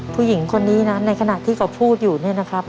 ผู้หญิงคนนี้นะในขณะที่เขาพูดอยู่เนี่ยนะครับ